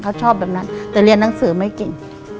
เขาชอบแบบนั้นแต่เรียนหนังสือไม่เก่ง